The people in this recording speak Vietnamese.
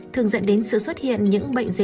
thường dẫn đến sự xuất hiện những bệnh dịch